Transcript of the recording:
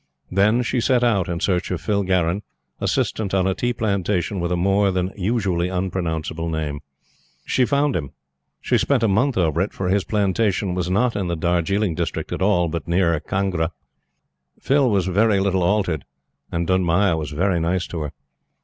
Then she set out in search of Phil Garron, Assistant on a tea plantation with a more than usually unpronounceable name. ......... She found him. She spent a month over it, for his plantation was not in the Darjiling district at all, but nearer Kangra. Phil was very little altered, and Dunmaya was very nice to her.